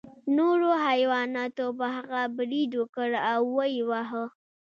نورو حیواناتو په هغه برید وکړ او ویې واهه.